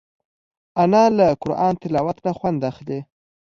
انا له قرآن تلاوت نه خوند اخلي